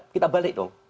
kita balik dong